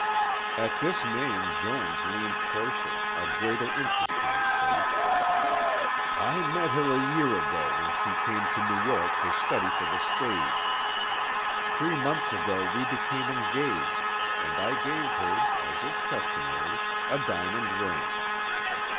At this name Jones leaned closer, a greater interest in his face. "I met her a year ago when she came to New York to study for the stage. Three months ago we became engaged and I gave her, as is customary, a diamond ring.